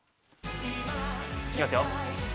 行きますよ。